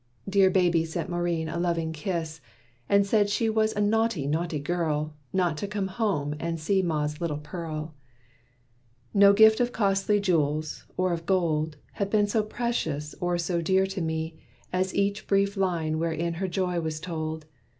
Dear baby sent Maurine a loving kiss, And said she was a naughty, naughty girl, Not to come home and see ma's little pearl. No gift of costly jewels, or of gold, Had been so precious or so dear to me, As each brief line wherein her joy was told.